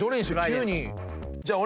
じゃあ俺